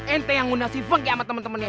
itu yang ngundah si feng ya sama temen temennya